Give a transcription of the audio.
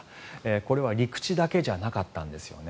これは陸地だけじゃなかったんですよね。